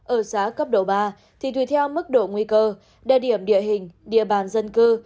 ở giá cấp độ ba thì tùy theo mức độ nguy cơ địa điểm địa hình địa bàn dân cư